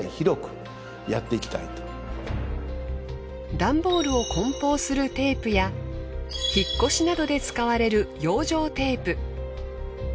段ボールを梱包するテープや引っ越しなどで使われる養生テープ。